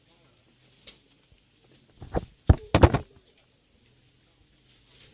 สวัสดีทุกคน